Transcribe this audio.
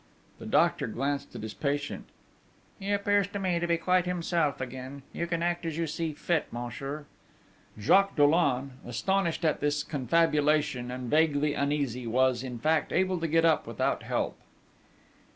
The doctor glanced at his patient: 'He appears to me to be quite himself again: you can act as you see fit, monsieur.' Jacques Dollon, astonished at this confabulation, and vaguely uneasy, was, in fact, able to get up without help.